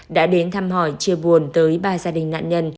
đã đến thăm hỏi chia buồn tới ba gia đình nạn nhân